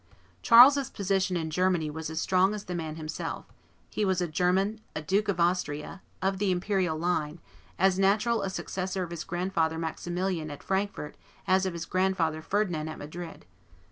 '" Charles's position in Germany was as strong as the man himself; he was a German, a duke of Austria, of the imperial line, as natural a successor of his grandfather Maximilian at Frankfort as of his grandfather Ferdinand at Madrid.